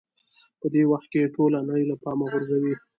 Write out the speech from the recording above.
په دې وخت کې ټوله نړۍ له پامه غورځوئ.